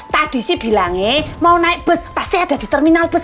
tadi sih bilang eh mau naik bus pasti ada di terminal bus